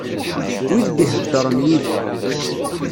Wid d-iheddren yid-i.